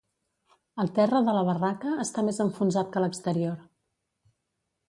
El terra de la barraca està més enfonsat que l'exterior.